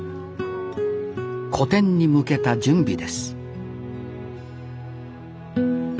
個展に向けた準備です